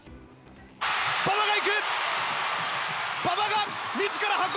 馬場がいく！